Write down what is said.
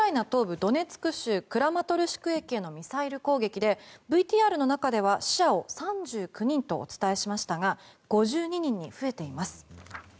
東部ドネツク州のクラマトルシク駅へのミサイル攻撃でＶＴＲの中では死者を３９人とお伝えしましたが５２人に増えています。